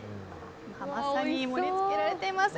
まさに盛り付けられています。